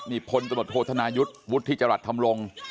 มีพลตมโทษธนายุทธ์วุฒิจรรย์ธรรมรงค์